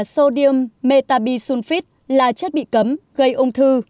thêm metabisulfit là chất bị cấm gây ung thư